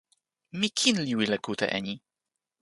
mi kin li wile kute e ni!